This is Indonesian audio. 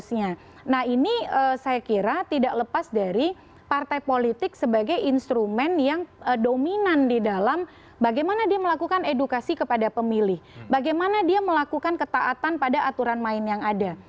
nah ini saya kira tidak lepas dari partai politik sebagai instrumen yang dominan di dalam bagaimana dia melakukan edukasi kepada pemilih bagaimana dia melakukan ketaatan pada aturan main yang ada